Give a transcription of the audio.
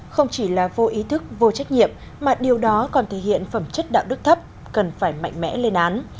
không chỉ là vô ý thức vô trách nhiệm mà điều đó còn thể hiện phẩm chất đạo đức thấp cần phải mạnh mẽ lên án